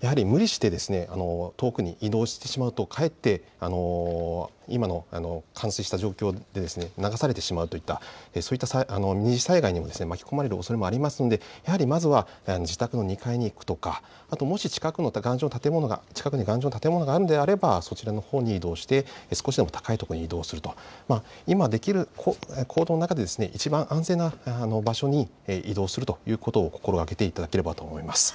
やはり無理して遠くに移動してしまうとかえって今の冠水した状況で流されてしまうといったそういった二次災害にも巻き込まれる可能性がありますのでまずは自宅の２階に行くとか、もし近くに頑丈な建物があればそちらのほうに移動して少しでも高い所に移動すると、今できる行動の中でいちばん安全な場所に移動するということを心がけていただければと思います。